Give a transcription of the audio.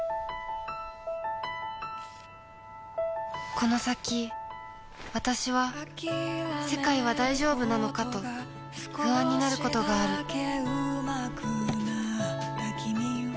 この先わたしは世界は大丈夫なのかと不安になることがある・トンッ